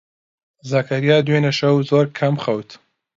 زەکەریا دوێنێ شەو زۆر کەم خەوت.